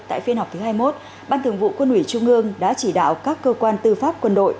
tại phiên họp thứ hai mươi một ban thường vụ quân ủy trung ương đã chỉ đạo các cơ quan tư pháp quân đội